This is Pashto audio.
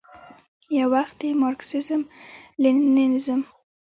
یووخت د مارکسیزم، لیننزم،